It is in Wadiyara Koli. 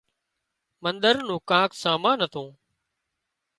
منۮر نُون ڪانڪ سامان هتون